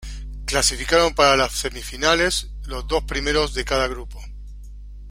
Clasificaron para las semifinales los dos primeros de cada grupo.